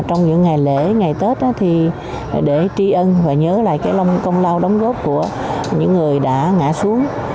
trong những ngày lễ ngày tết để tri ân và nhớ lại công lao đóng góp của những người đã ngã xuống